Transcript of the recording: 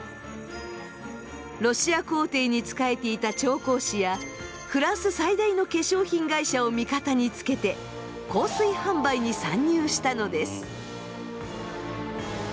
ロシア皇帝に仕えていた調香師やフランス最大の化粧品会社を味方につけて香水販売に参入したのです。